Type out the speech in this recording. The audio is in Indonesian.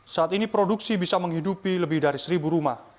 saat ini produksi bisa menghidupi lebih dari seribu rumah